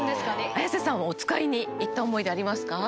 綾瀬さんはおつかいに行った思い出ありますか？